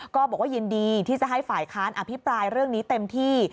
ก็บอกว่ายินดีที่จะให้ฝ่ายค้านอภิปรายเรื่องนี้เต็มที่